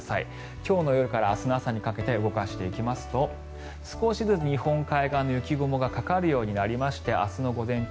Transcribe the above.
今日の夜から明日の朝にかけて動かしていきますと少しずつ日本海側の雪雲がかかるようになりまして明日の午前中